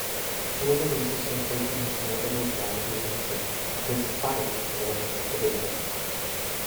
Foreman insists on taking his motorboat "Vanity" himself, despite warnings of the danger.